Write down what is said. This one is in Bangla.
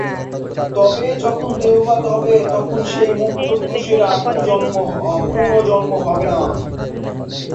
তবেই যখন দেহপাত হবে, তখন সেই মুক্ত পুরুষের আর পুনর্জন্ম হবে না।